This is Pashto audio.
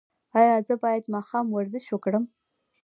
ایا زه باید ماښام ورزش وکړم؟